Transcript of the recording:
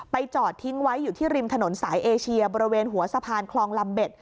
จอดทิ้งไว้อยู่ที่ริมถนนสายเอเชียบริเวณหัวสะพานคลองลำเบ็ด